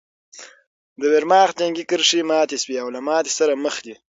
د ویرماخت جنګي کرښې ماتې شوې او له ماتې سره مخ دي